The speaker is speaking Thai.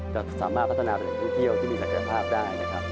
จะสามารถพัฒนาไปในที่เที่ยวที่มีแตกภาพได้